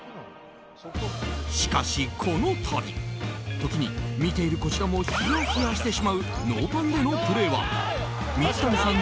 しかし、このたび時に見ているこちらもひやひやしてしまうノーパンでのプレーは水谷さん